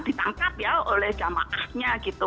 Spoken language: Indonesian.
ditangkap ya oleh jamaahnya gitu